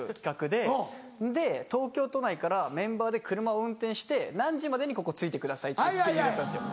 で東京都内からメンバーで車を運転して何時までにここ着いてくださいっていうスケジュールだったんですよ。